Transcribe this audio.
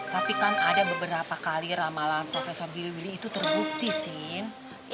tapi kan ada beberapa kali ramalan profesor giliwili itu terbukti sini